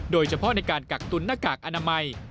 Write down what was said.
โดยเฉพาะในการกักตุนหน้ากากอนามัย